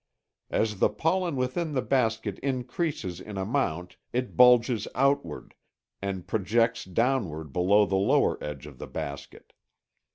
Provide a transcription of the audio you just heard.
As the pollen within the basket increases in amount it bulges outward, and projects downward below the lower edge of the basket.